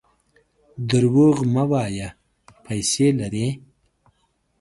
درواغ مه وایه ! پیسې لرې.